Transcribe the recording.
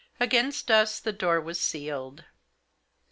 Against us the door was sealed.